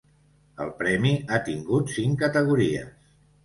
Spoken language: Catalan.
El Premi ha tingut cinc categories.